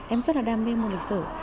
em rất là đam mê môn lịch sử